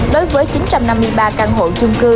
đối với chín trăm năm mươi ba căn hộ chung cư